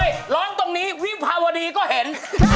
ร้องตรงนี้วิภาวดีก็เห็น